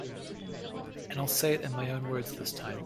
And I'll say it in my own words this time.